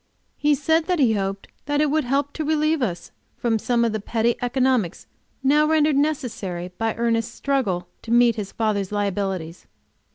He said he hoped that it would help to relieve us from some of the petty economies now rendered necessary by Ernest's struggle to meet his father's liabilities.